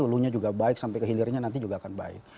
hulunya juga baik sampai kehilirannya nanti juga akan baik